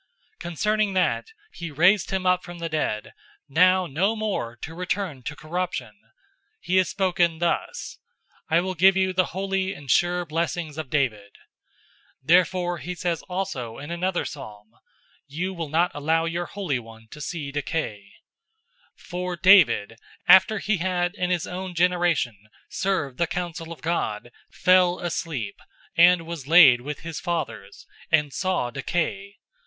'{Psalm 2:7} 013:034 "Concerning that he raised him up from the dead, now no more to return to corruption, he has spoken thus: 'I will give you the holy and sure blessings of David.'{Isaiah 55:3} 013:035 Therefore he says also in another psalm, 'You will not allow your Holy One to see decay.'{Psalm 16:10} 013:036 For David, after he had in his own generation served the counsel of God, fell asleep, and was laid with his fathers, and saw decay.